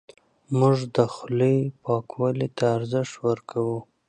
موږ د خولې پاکوالي ته ارزښت ورکوو.